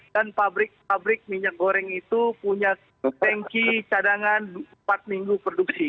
dan pabrik pabrik minyak goreng itu punya tanki cadangan empat minggu produksi